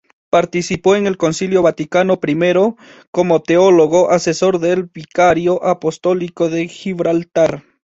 Participó en el Concilio Vaticano I como teólogo asesor del vicario apostólico de Gibraltar.